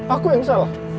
aku yang salah